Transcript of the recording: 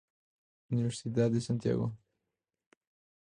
Universidade de Santiago.